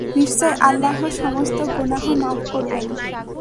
নিশ্চয় আল্লাহ সমস্ত গোনাহ মাফ করবেন।